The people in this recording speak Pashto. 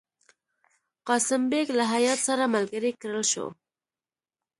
قاسم بیګ له هیات سره ملګری کړل شو.